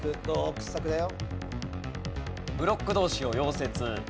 掘削だよ。